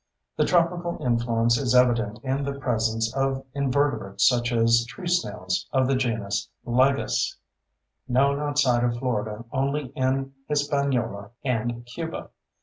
The tropical influence is evident in the presence of invertebrates such as tree snails of the genus Liguus, known outside of Florida only in Hispaniola and Cuba.